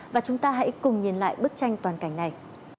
và chúng ta hãy cùng nhìn lại bức tranh toàn cảnh này